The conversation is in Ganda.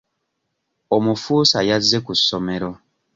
Omufuusa yazze ku ssomero.